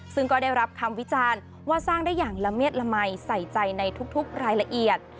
ซึ่งก็ได้รับคำวิจารณ์ว่าสร้างได้อย่างละเมียดละมัยใส่ใจในทุกรายละเอียด